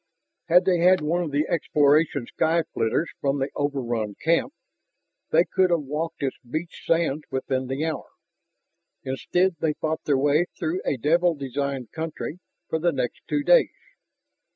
Had they had one of the exploration sky flitters from the overrun camp, they could have walked its beach sands within the hour. Instead, they fought their way through a Devil designed country for the next two days.